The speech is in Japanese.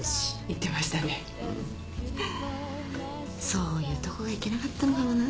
そういうとこがいけなかったのかもな。